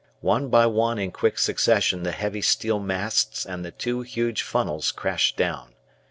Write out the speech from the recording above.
One by one in quick succession the heavy steel masts and two huge funnels crashed down.